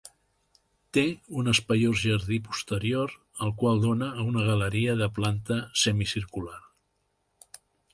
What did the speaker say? Té un espaiós jardí posterior al qual dóna una galeria de planta semicircular.